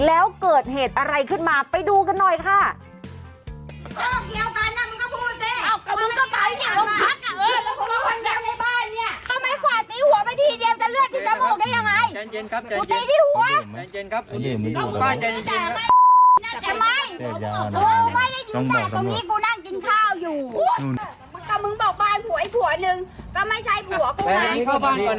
แล้วเกิดเหตุอะไรขึ้นมาไปดูกันหน่อยค่ะ